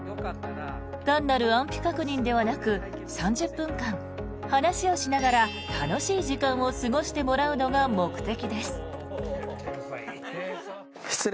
単なる安否確認ではなく３０分間、話をしながら楽しい時間を過ごしてもらうのが目的です。